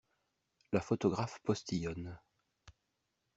La photographe postillonne.